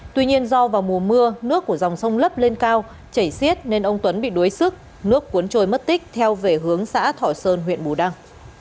tuy nhiên do vào mùa mưa nước của dòng sông lấp lên cao chảy xiết nên ông tuấn bị đuối sức nước cuốn trôi mất tích theo về hướng xã thọ sơn huyện bù đăng